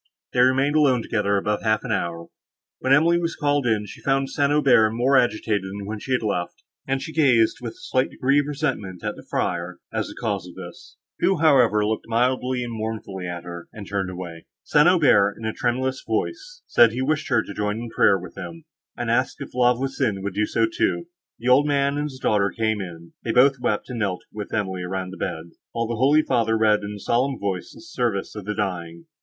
They remained alone together above half an hour; when Emily was called in, she found St. Aubert more agitated than when she had left him, and she gazed, with a slight degree of resentment, at the friar, as the cause of this; who, however, looked mildly and mournfully at her, and turned away. St. Aubert, in a tremulous voice, said, he wished her to join in prayer with him, and asked if La Voisin would do so too. The old man and his daughter came; they both wept, and knelt with Emily round the bed, while the holy father read in a solemn voice the service for the dying.